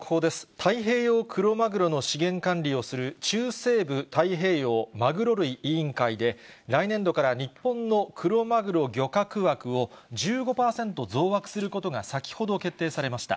太平洋クロマグロの資源管理をする、中西部太平洋まぐろ類委員会で、来年度から日本のクロマグロ漁獲枠を、１５％増枠することが先ほど決定されました。